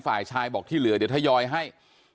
ฝ่ายชายบอกที่เหลือเดี๋ยวทยอยให้